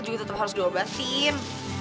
juga tetap harus diobatin